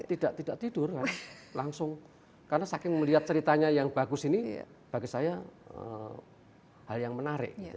tidak tidak tidur kan langsung karena saking melihat ceritanya yang bagus ini bagi saya hal yang menarik gitu